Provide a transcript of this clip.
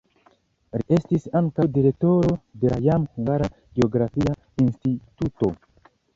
Li estis ankaŭ direktoro de la jam hungara geografia instituto.